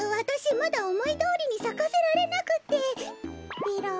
まだおもいどおりにさかせられなくてペロ。